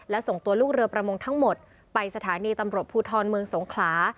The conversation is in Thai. และส่งตัวลูกเรือประมงทั้งหมดไปสถานีตำรวจภูทรเมืองสงขลา